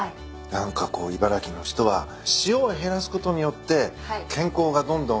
何かこう茨城の人は塩を減らすことによって健康がどんどん増えてく。